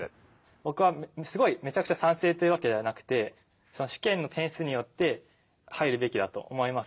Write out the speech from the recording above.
僕はすごいめちゃくちゃ賛成というわけではなくてその試験の点数によって入るべきだと思います。